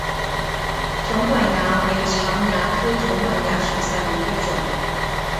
肿管蚜为常蚜科肿管蚜属下的一个种。